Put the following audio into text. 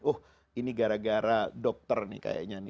oh ini gara gara dokter nih kayaknya nih